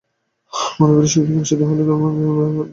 মানবের এই শক্তি বিকশিত হইলেই ধর্মের আরম্ভ।